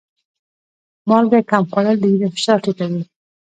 مالګه کم خوړل د وینې فشار ټیټوي.